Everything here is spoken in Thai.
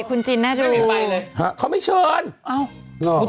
คุณจินน่าจะดู